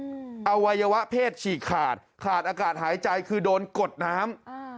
อวัยวะเพศฉีกขาดขาดขาดอากาศหายใจคือโดนกดน้ำอ่า